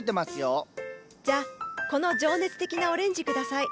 じゃあこの情熱的なオレンジください。